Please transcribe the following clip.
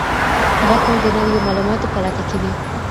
هغه تل د نويو معلوماتو په لټه کي وي.